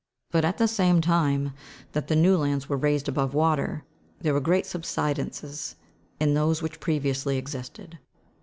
But at the same time that the new lands were raised above water, there were great subsidences in those which previously existed.